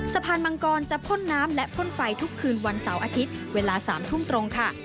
มังกรจะพ่นน้ำและพ่นไฟทุกคืนวันเสาร์อาทิตย์เวลา๓ทุ่มตรงค่ะ